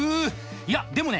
いやでもね